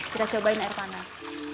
kita cobain air panas